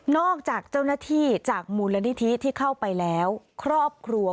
นอกจากเจ้าหน้าที่จากหมูลณิธิที่เข้าไปแล้ว